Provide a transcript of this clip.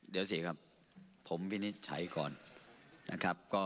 เดี๋ยวผมหนิใช้ก่อนนะครับ